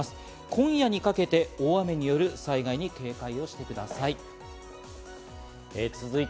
今夜にかけて大雨による災害に警戒してください。